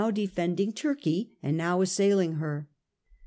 197 defending Turkey, and now assailing her.